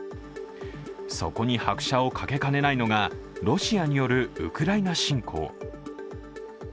そこに拍車をかけかねないのがロシアによるウクライナ侵攻。